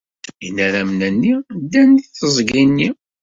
Inaramen-nni ddan deg teẓgi-nni.